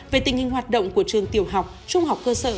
về tình hình hoạt động của trường tiểu học trung học cơ sở